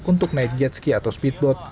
untuk naik jetski atau speedboat